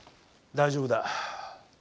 大丈夫だ。